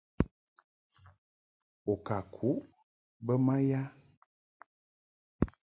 U ka kuʼ bə ma ya ?